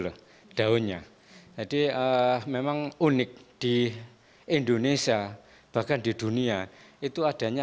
loh daunnya jadi memang unik di indonesia bahkan di dunia itu adanya